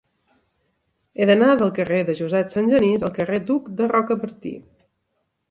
He d'anar del carrer de Josep Sangenís al carrer d'Hug de Rocabertí.